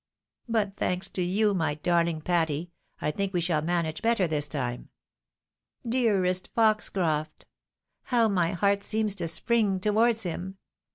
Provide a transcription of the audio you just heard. But, thanks to you, my darling Patty, I think we shall manage better this time. Dearest Foxcroft ! How my heart seems to spring towards him